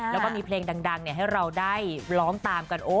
แล้วก็มีเพลงดังให้เราได้ล้อมตามกัน